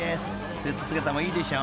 スーツ姿もいいでしょ？］